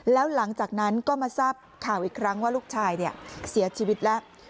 แล้วหลังจากนั้นก็มาทราบข่าวอีกครั้งว่าลูกชายเสียชีวิตแล้ว